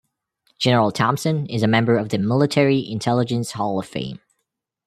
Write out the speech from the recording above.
General Thompson is a member of the Military Intelligence Hall of Fame.